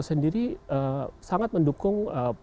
sendiri sangat mendukung